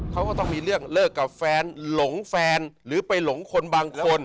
เขาก็ต้องมีเรื่องเลิกกับแฟนหลงแฟนหรือไปหลงคนบางคน